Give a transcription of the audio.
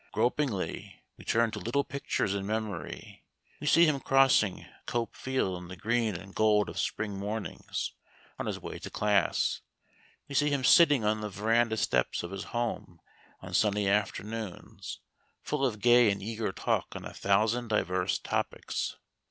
Gropingly we turn to little pictures in memory. We see him crossing Cope Field in the green and gold of spring mornings, on his way to class. We see him sitting on the verandah steps of his home on sunny afternoons, full of gay and eager talk on a thousand diverse topics.